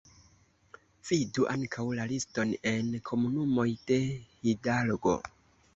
Vidu ankaŭ la liston en komunumoj de Hidalgo.